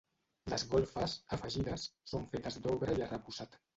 Les golfes, afegides, són fetes d'obra i arrebossat.